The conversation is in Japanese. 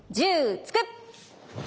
１０突く！